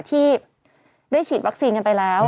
ที่ได้ฉีดวัคซีนกันไปแล้ว